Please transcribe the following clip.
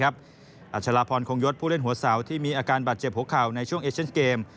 อัชราพรคงยศผู้เล่นหัวเสาที่มีอาการบาดเจ็บหัวเข่าในช่วงเอเชนเกม